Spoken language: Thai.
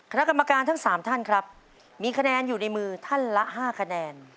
คณะกรรมการทั้ง๓ท่านครับมีคะแนนอยู่ในมือท่านละ๕คะแนน